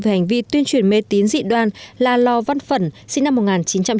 về hành vi tuyên truyền mê tín dị đoan la lo văn phẩn sinh năm một nghìn chín trăm chín mươi chín